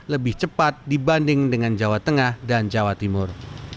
lebih cepat dibanding dengan jawa tengah dan jawa timur